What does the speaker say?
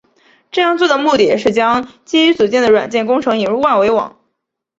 这样做的目的是将基于组件的软件工程引入万维网。